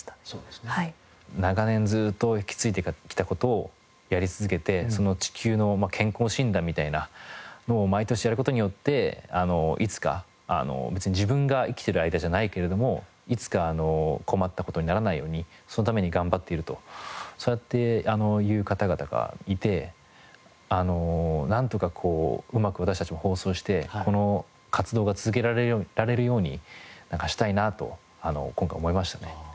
長年ずっと引き継いできた事をやり続けて地球の健康診断みたいなのを毎年やる事によっていつか別に自分が生きている間じゃないけれどもいつか困った事にならないようにそのために頑張っているとそうやっていう方々がいてあのなんとかこううまく私たちも放送してこの活動が続けられるようにしたいなと今回思いましたね。